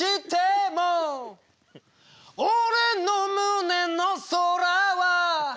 「おれの胸の空は」